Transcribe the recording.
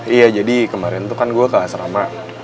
iya jadi kemarin tuh kan gue gak asrama